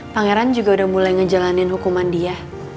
pangeran juga udah mulai ngejalanin hukuman dia